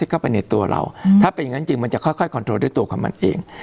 เข้าไปในตัวเราถ้าเป็นอย่างนั้นจริงมันจะค่อยคอนโทรด้วยตัวของมันเอง